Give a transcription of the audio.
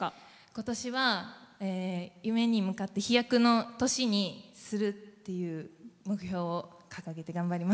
今年は、夢に向かって飛躍の年にするっていう目標を掲げて頑張ります。